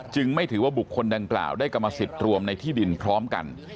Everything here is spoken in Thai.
ไม่ถือว่าบุคคลดังกล่าวได้กรรมสิทธิ์รวมในที่ดินพร้อมกัน